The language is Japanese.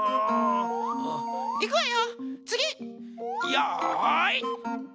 よい。